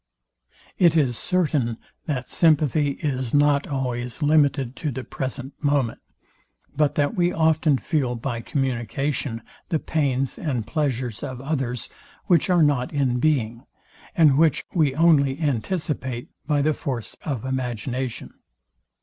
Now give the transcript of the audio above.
It is certain, that sympathy is not always limited to the present moment, but that we often feel by communication the pains and pleasures of others, which are not in being, and which we only anticipate by the force of imagination.